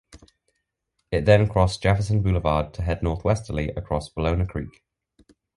It then crossed Jefferson Boulevard to head northwesterly and cross Ballona Creek.